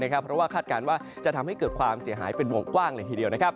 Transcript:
เพราะว่าคาดการณ์ว่าจะทำให้เกิดความเสียหายเป็นวงกว้างเลยทีเดียว